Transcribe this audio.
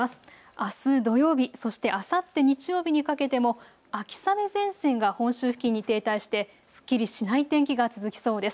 あす土曜日、そしてあさって日曜日にかけても秋雨前線が本州付近に停滞してすっきりしない天気が続きそうです。